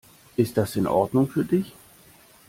Ist das in Ordnung für dich?